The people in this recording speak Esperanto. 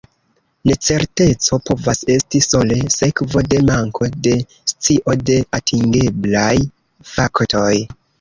Necerteco povas esti sole sekvo de manko de scio de atingeblaj faktoj.